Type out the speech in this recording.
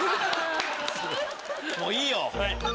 もういいよ！